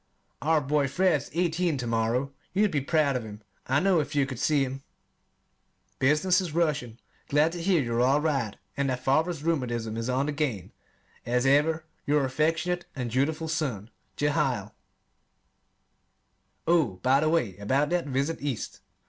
Our boy Fred is eighteen to morrow. You'd be proud of him, I know, if you could see him. Business is rushing. Glad to hear you're all right and that father's rheumatism is on the gain. As ever, your affectionate and dutiful son, JEHIEL Oh, by the way about that visit East.